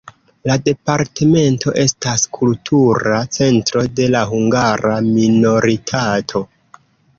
La departemento estas kultura centro de la hungara minoritato.